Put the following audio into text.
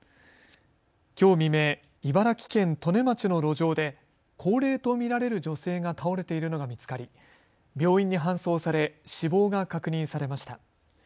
きょう未明、茨城県利根町の路上で高齢と見られる女性が倒れているのが見つかり病院に搬送され、死亡が確認されました。